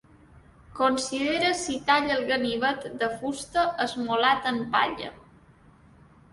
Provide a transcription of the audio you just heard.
Considera si talla el ganivet de fusta esmolat en palla.